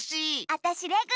あたしレグ。